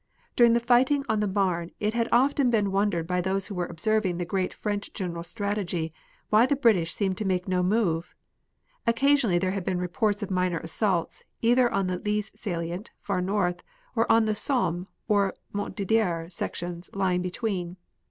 During the fighting on the Marne it had often been wondered by those who were observing the great French general's strategy, why the British seemed to make no move. Occasionally there had been reports of minor assaults, either on the Lys salient, far north, or on the Somme and Montdidier sectors, lying between.